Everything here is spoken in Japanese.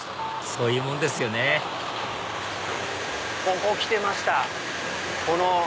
そういうもんですよねここ来てました。